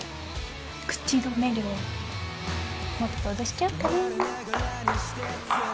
口止め料もっと脅しちゃおっかな